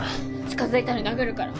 近づいたら殴るから。